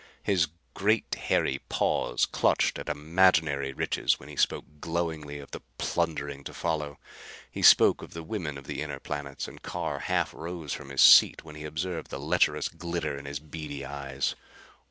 His great hairy paws clutched at imaginary riches when he spoke glowingly of the plundering to follow. He spoke of the women of the inner planets and Carr half rose from his seat when he observed the lecherous glitter in his beady eyes.